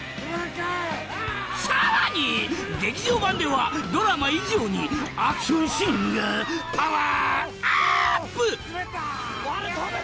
さらに劇場版ではドラマ以上にアクションシーンがパワーアップ！